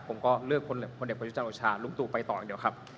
ผมก็เลือกคนเด็กประยุจันทร์โอชาลุงตู่ไปต่ออย่างเดียวครับ